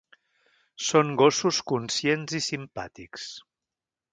Són gossos conscients i simpàtics.